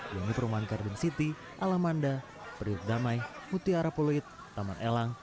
yang di perumahan garden city alamanda priok damai mutiara poluit taman elang